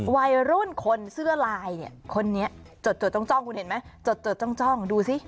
วัยรุ่นคนเสื้อลายเนี่ยคนนี้จดจ้องคุณเห็นไหมจดจ้องดูสิ